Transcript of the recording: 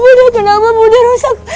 budi kenapa muda rusak